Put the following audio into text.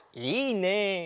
いいね！